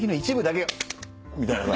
みたいな。